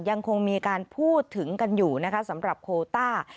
ยังคงมีการพูดถึงกันอยู่นะคะสำหรับโคต้า